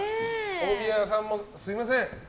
大宮さんもすみません。